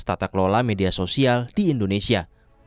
tata kelola media sosial di indonesia